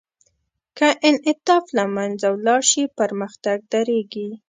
که انعطاف له منځه ولاړ شي، پرمختګ درېږي.